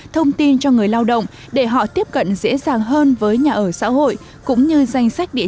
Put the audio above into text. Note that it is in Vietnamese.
thông tin cho người lao động để họ tiếp cận dễ dàng hơn với nhà ở xã hội cũng như danh sách địa